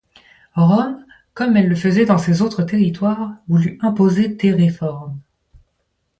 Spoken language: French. Rome, comme elle le faisait dans ses autres territoires, voulut imposer des réformes.